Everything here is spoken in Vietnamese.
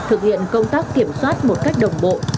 thực hiện công tác kiểm soát một cách đồng bộ